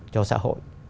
cho xã hội